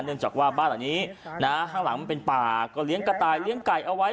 เนื่องจากว่าบ้านหลังนี้นะข้างหลังมันเป็นป่าก็เลี้ยงกระต่ายเลี้ยงไก่เอาไว้